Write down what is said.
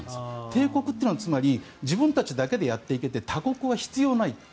帝国っていうのは、つまり自分たちだけでやっていけて他国は必要ない。